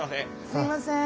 すいません。